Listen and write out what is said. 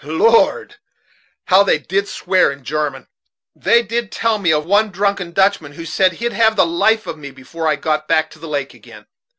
Lord! how they did swear in Jarman! They did tell me of one drunken Dutchman who said he'd have the life of me before I got back to the lake agin.